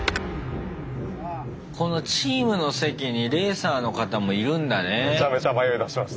このチームの席にレーサーの方もいるんだね。